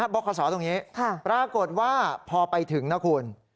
บขตรงนี้ปรากฏว่าพอไปถึงนะคุณ